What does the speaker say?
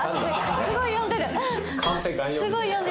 すごい読んでる。